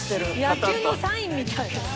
野球のサインみたいだよね。